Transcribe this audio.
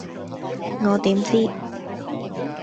我點知